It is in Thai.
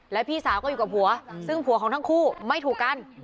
แล้วพี่สาวก็อยู่กับผัวซึ่งผัวของทั้งคู่ไม่ถูกกัน